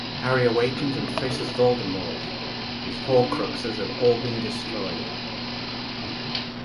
Harry awakens and faces Voldemort, whose Horcruxes have all been destroyed.